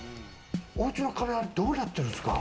おうちの壁はどうなってるんですか？